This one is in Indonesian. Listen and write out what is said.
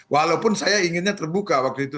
walaupun saya inginnya terbuka waktu itu